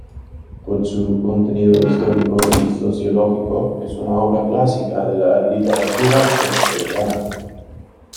Por su contenido histórico y sociológico es una obra clásica de la literatura ecuatoriana.